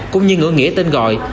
cũng như ngữ nghĩa tên gọi